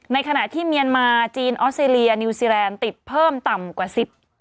ขณะที่เมียนมาจีนออสเตรเลียนิวซีแลนด์ติดเพิ่มต่ำกว่า๑๐